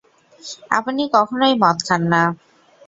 আপনি কখনোই মদ খান না।